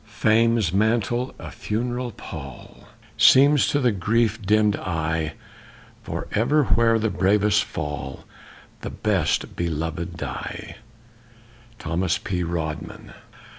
Fame's mantle a funereal pall Seems to the grief dimm'd eye, For ever where the bravest fall The best beloved die. THOMAS P. RODMAN.